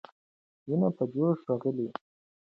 ويني په جوش راغلې.